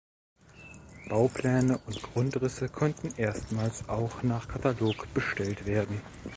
Baupläne und Grundrisse konnten erstmals auch nach Katalog bestellt werden.